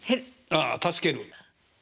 ああ助ける。